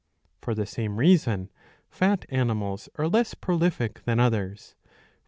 For the same reason fat animals are less prolific than others.